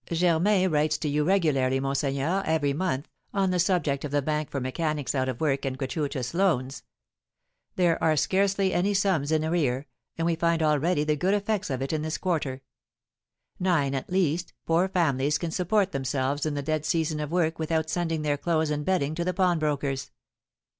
Germain writes to you regularly, monseigneur, every month, on the subject of the Bank for Mechanics out of Work and Gratuitous Loans; there are scarcely any sums in arrear, and we find already the good effects of it in this quarter. Nine, at least, poor families can support themselves in the dead season of work without sending their clothes and bedding to the pawnbroker's.